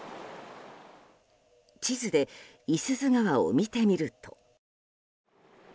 地図で五十鈴川を見てみると。